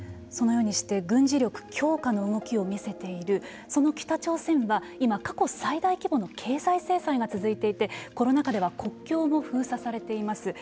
そのようにして軍事力強化の動きを見せているその北朝鮮は今、過去最大規模の経済制裁が続いていてコロナ禍では国境も封鎖されています。